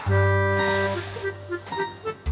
kamu mau ke rumah